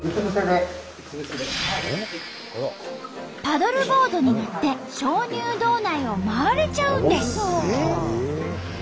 パドルボードに乗って鍾乳洞内を回れちゃうんです。